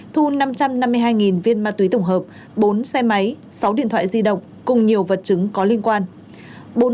thu năm trăm năm mươi hai viên ma túy tổng hợp bốn xe máy sáu điện thoại di động cùng nhiều vật chứng có liên quan